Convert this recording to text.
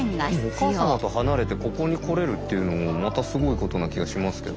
お母様と離れてここに来れるっていうのもまたすごいことな気がしますけど。